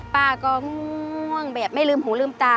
ป้าก็ง่วงแบบไม่ลืมหูลืมตา